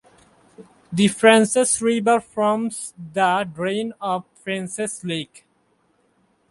The Frances River forms the drain of Frances Lake.